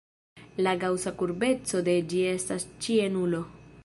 La gaŭsa kurbeco de ĝi estas ĉie nulo.